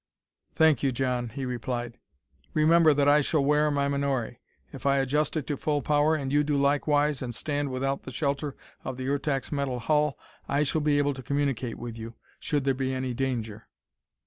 "Thank you, John," he replied. "Remember that I shall wear my menore. If I adjust it to full power, and you do likewise, and stand without the shelter of the Ertak's metal hull, I shall be able to communicate with you, should there be any danger."